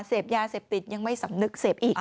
เสพยาเสพติดยังไม่สำนึกเสพอีก